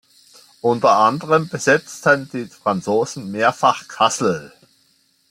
Unter anderem besetzten die Franzosen mehrfach Kassel.